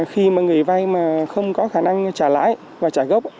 khi mà người vay mà không có khả năng trả lãi và trả gốc